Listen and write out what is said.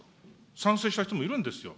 賛成した人もいるんですよ。